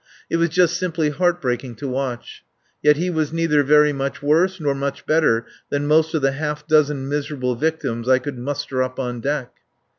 It was just simply heart breaking to watch. Yet he was neither very much worse nor much better than most of the half dozen miserable victims I could muster up on deck.